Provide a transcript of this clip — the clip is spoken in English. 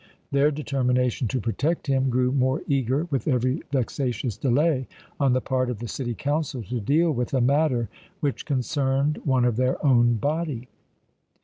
Their determination to protect him grew more eager with every vexatious delay on the part of the city council to deal with a matter which concerned one of their own body.